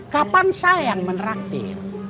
kapan saya yang menerapi